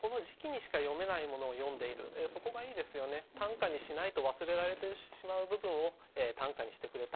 短歌にしないと忘れられてしまう部分を短歌にしてくれた。